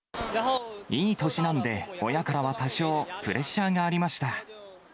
いい年なんで、親からは多少プレッシャーがありました。